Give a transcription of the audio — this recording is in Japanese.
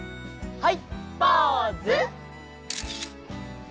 はい。